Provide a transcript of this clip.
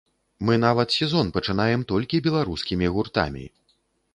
Мы нават сезон пачынаем толькі беларускімі гуртамі.